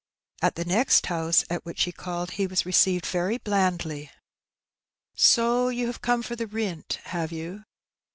At the next house at which he called he was received very blandly. ''So you have come for the rint, have you?